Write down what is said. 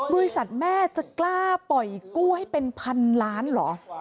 บริษัทแม่จะกล้าปล่อยกู้ให้เป็นพันล้านเหรอ